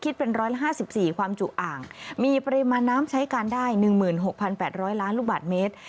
คิดเป็น๑๕๔ความจุอ่างมีปริมาณน้ำใช้การได้๑๖๘๐๐ล้านลูกบาทเมตร